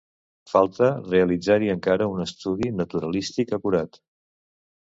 Falta realitzar-hi encara un estudi naturalístic acurat.